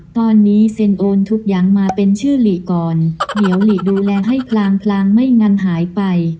ตอนนี้เซ็นโอนทุกอย่างมาเป็นชื่อหลีก่อนเดี๋ยวหลีดูแลให้พลางพลางไม่งั้นหายไป